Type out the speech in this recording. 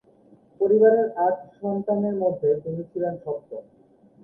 পরিবারের আট সন্তানের মধ্যে তিনি ছিলেন সপ্তম।